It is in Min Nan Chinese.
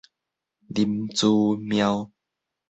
林姿妙